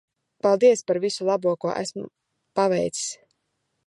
Paldies par visu labo ko esmu paveicis.